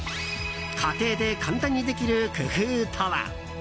家庭で簡単にできる工夫とは？